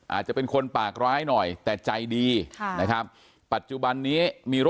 อาจจะเป็นคนปากร้ายหน่อยแต่ใจดี